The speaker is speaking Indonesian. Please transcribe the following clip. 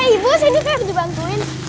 ibu saya ingin dibantu